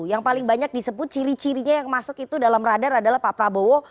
yang paling banyak disebut ciri cirinya yang masuk itu dalam radar adalah pak prabowo